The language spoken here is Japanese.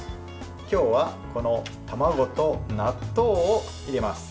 今日は、この卵と納豆を入れます。